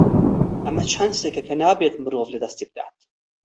ئەمە چانسێکە کە نابێت مرۆڤ لەدەستی بدات.